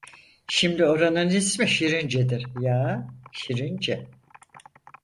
Şimdi oranın ismi Şirince'dir… Ya… Şirince…